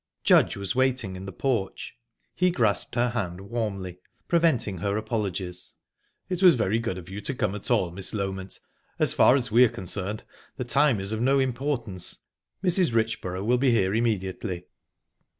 Judge was waiting in the porch. He grasped her hand warmly, preventing her apologies. "It was very good of you to come at all, Miss Loment. As far as we are concerned, the time is of no importance. Mrs. Richborough will be here immediately."